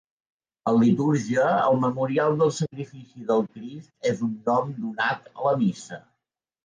En litúrgia, el memorial del sacrifici del Crist és un nom donat a la missa.